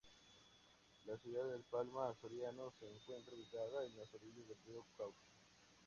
La ciudad de Palma Soriano se encuentra ubicada en las orillas del río Cauto.